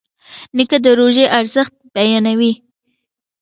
نیکه د روژې ارزښت بیانوي.